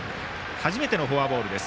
初めてのフォアボールです。